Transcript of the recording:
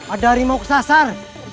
ada harimau kesasar